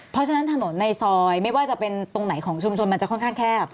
เพราะฉะนั้นถนนในซอยไม่ว่าจะเป็นตรงไหนของชุมชนมันจะค่อนข้างแคบ